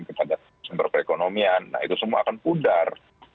kepada sumber perekonomian nah itu semua akan pudar